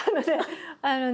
あのね